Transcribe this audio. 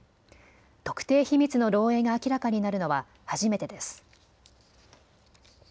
特定秘密の漏えいが明らかになるのは初めてです。